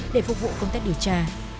để phục vụ công tác điều tra